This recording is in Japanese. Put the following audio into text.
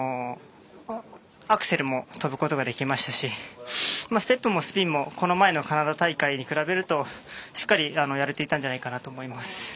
アクセルも跳ぶことができましたしステップもスピンもこの前のカナダ大会に比べるとしっかりやれていたんじゃないかと思います。